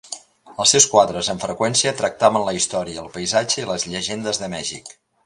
Els seus quadres, amb freqüència, tractaven la història, el paisatge i les llegendes de Mèxic.